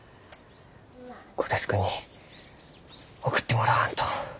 虎鉄君に送ってもらわんと。